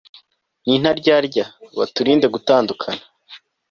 n'intaryarya, baturinde gutandukana